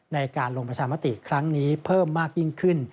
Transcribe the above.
ในการลงประชามติครั้งนี้เพิ่มมากยิ่งขึ้น